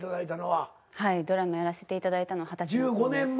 はいドラマやらせていただいたのは二十歳です。